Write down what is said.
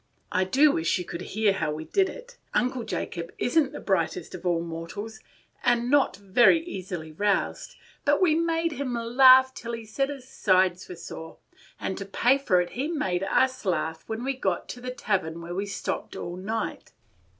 I do wish you could hear how we did it. Uncle Jacob is n't the brightest of all mortals, and not very easily roused, but we made him laugh till he said his sides were sore; and to pay for it he made us laugh when we got to the tavern where we stopped all night.